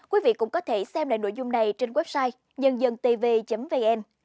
quý vị cũng có thể xem lại nội dung này trên website nhân dân tv vn